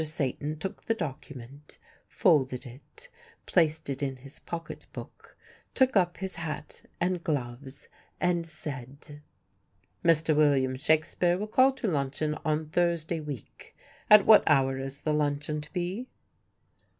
Satan took the document, folded it, placed it in his pocket book, took up his hat and gloves, and said: "Mr. William Shakespeare will call to luncheon on Thursday week. At what hour is the luncheon to be?"